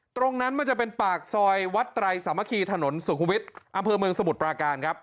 มันจะเป็นปากซอยวัดไตรสามัคคีถนนสุขุมวิทย์อำเภอเมืองสมุทรปราการครับ